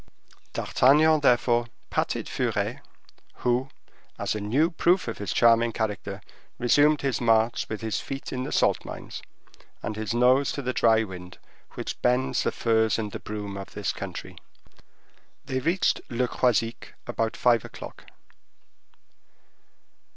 D'Artagnan therefore patted Furet, who, as a new proof of his charming character, resumed his march with his feet in the salt mines, and his nose to the dry wind, which bends the furze and the broom of this country. They reached Le Croisic about five o'clock.